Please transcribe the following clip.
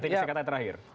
tekniknya kata terakhir